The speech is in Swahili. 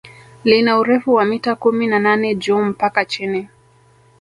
Lina urefu wa mita kumi na nane juu mpaka chini